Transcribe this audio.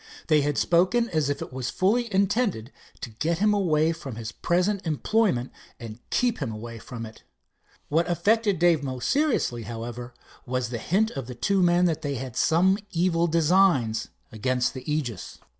They had spoken as if it was fully intended to get him away from his present pleasant employment and keep him away from it. What affected Dave most seriously, however, was the hint of the two men that they had some evil designs against the Aegis.